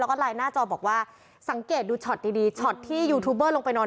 แล้วก็ลายหน้าจอบอกว่าสังเกตดูชอดดีอยู่ทูเปอร์ลงไปนอน